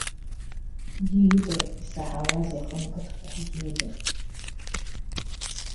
Диида, исаҳауазеи, хынкыдҟьа, диида!